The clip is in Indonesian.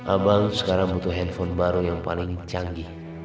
abang sekarang butuh handphone baru yang paling canggih